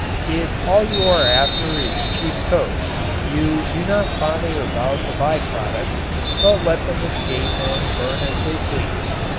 If all you are after is cheap coke, you do not bother about the by products, but let them escape and burn as they please.